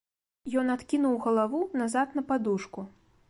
Ён адкінуў галаву назад на падушку.